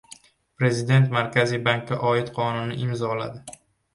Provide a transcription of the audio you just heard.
Prezident Markaziy bankka oid qonunni imzoladi